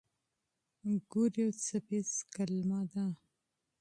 ګور يو څپيز کلمه ده.